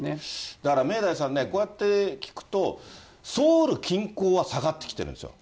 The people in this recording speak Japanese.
だから明大さんね、こうやって聞くと、ソウル近郊は下がってきてるんですよ。